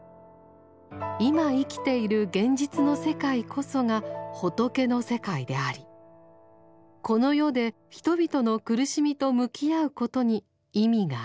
今生きている現実の世界こそが「仏の世界」でありこの世で人々の苦しみと向き合うことに意味がある。